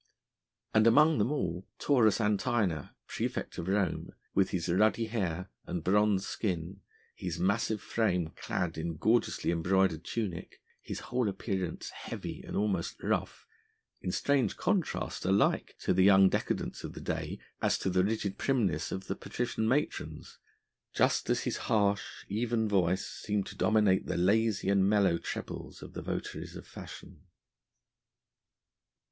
And among them all Taurus Antinor, praefect of Rome, with his ruddy hair and bronzed skin, his massive frame clad in gorgeously embroidered tunic, his whole appearance heavy and almost rough, in strange contrast alike to the young decadents of the day as to the rigid primness of the patrician matrons, just as his harsh, even voice seemed to dominate the lazy and mellow trebles of the votaries of fashion.